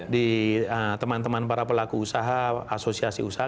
di teman teman para pelaku usaha asosiasi usaha